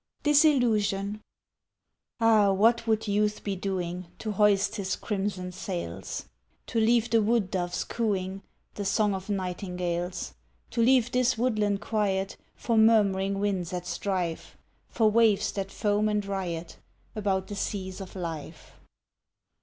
DISILLUSION Ah! what would youth be doing To hoist his crimson sails, To leave the wood doves cooing, The song of nightingales; To leave this woodland quiet For murmuring winds at strife, For waves that foam and riot About the seas of life?